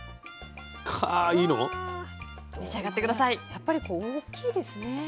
やっぱり大きいですね。